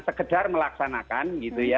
segedar melaksanakan gitu ya